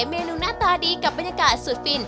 เมนูหน้าตาดีกับบรรยากาศสุดฟิน